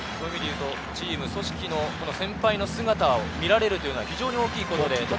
チーム、組織の先輩の姿を見られるというのは非常に大きいこと。